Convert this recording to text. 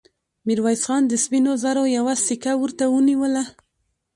ميرويس خان د سپينو زرو يوه سيکه ورته ونيوله.